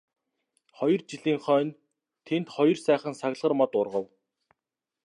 Хоёр жилийн хойно тэнд хоёр сайхан саглагар мод ургав.